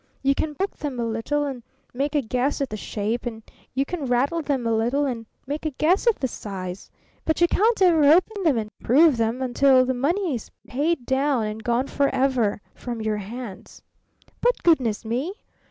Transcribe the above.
You can poke them a little and make a guess at the shape, and you can rattle them a little and make a guess at the size, but you can't ever open them and prove them until the money is paid down and gone forever from your hands. But goodness me!"